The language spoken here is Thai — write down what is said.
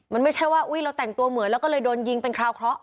มันไม่ใช่ว่าอุ๊ยเราแต่งตัวเหมือนแล้วก็เลยโดนยิงเป็นคราวเคราะห